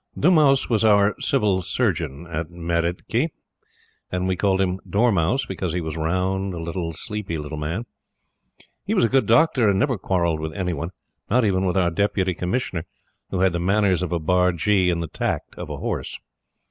Dumoise was our Civil Surgeon at Meridki, and we called him "Dormouse," because he was a round little, sleepy little man. He was a good Doctor and never quarrelled with any one, not even with our Deputy Commissioner, who had the manners of a bargee and the tact of a horse.